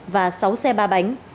và sáu xe ba bánh